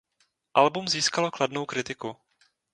Album získalo kladnou kritiku.